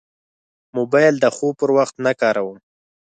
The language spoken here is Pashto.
موبایل د خوب پر وخت نه کاروم.